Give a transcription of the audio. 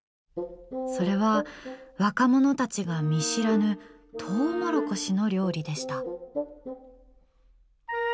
それは、若者たちが見知らぬとうもろこしの料理でした。